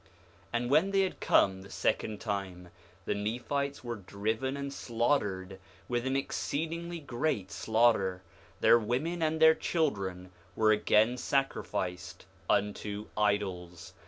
4:21 And when they had come the second time, the Nephites were driven and slaughtered with an exceedingly great slaughter; their women and their children were again sacrificed unto idols.